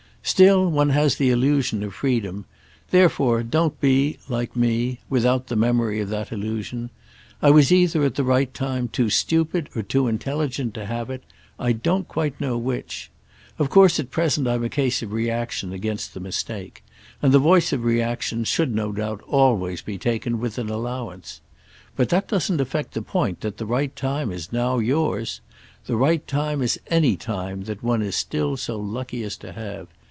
Still, one has the illusion of freedom; therefore don't be, like me, without the memory of that illusion. I was either, at the right time, too stupid or too intelligent to have it; I don't quite know which. Of course at present I'm a case of reaction against the mistake; and the voice of reaction should, no doubt, always be taken with an allowance. But that doesn't affect the point that the right time is now yours. The right time is any time that one is still so lucky as to have.